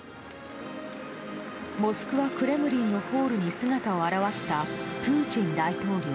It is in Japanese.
モスクワ・クレムリンのホールに姿を現したプーチン大統領。